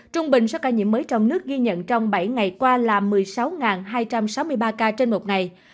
trung bình số ca nhiễm mới trong nước ghi nhận trong bảy ngày qua là một mươi sáu hai trăm sáu mươi ba ca trên một ngày